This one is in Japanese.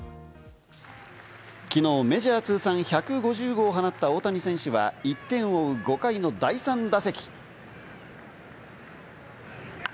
きのう、メジャー通算１５０号を放った大谷選手は１点を追う５回の第３打席。